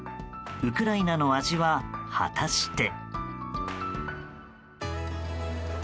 ウクライナの味は果たして？